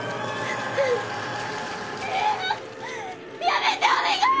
やめてお願い！